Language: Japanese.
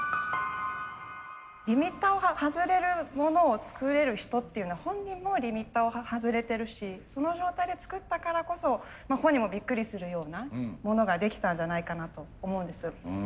リミッターを外れるものを作れる人っていうのは本人もリミッターを外れてるしその状態で作ったからこそ本人もびっくりするようなものができたんじゃないかなと思うんです。